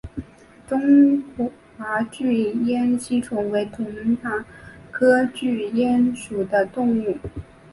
中华巨咽吸虫为同盘科巨咽属的动物。